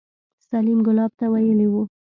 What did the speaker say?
سليم ګلاب ته ويلي وو.